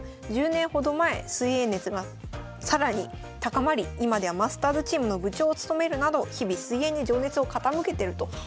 １０年ほど前水泳熱が更に高まり今ではマスターズチームの部長を務めるなど日々水泳に情熱を傾けてるということです。